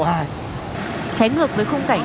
trái ngược với khung cảnh